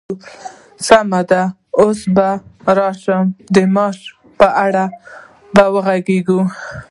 سمه ده، اوس به راشو د معاش په اړه به وغږيږو!